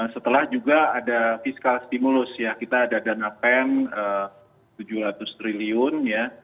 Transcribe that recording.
setelah juga ada fiskal stimulus ya kita ada dana pen tujuh ratus triliun ya